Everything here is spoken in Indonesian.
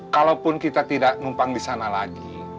kalaupun kita tidak numpang di sana lagi